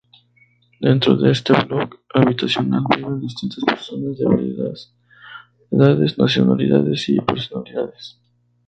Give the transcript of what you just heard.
Dentro de este block habitacional viven distintas personas de variadas edades, nacionalidades y personalidades.